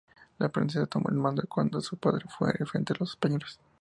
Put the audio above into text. La princesa tomó el mando cuando su padre muere frente a los españoles.